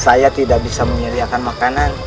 saya tidak bisa menyediakan makanan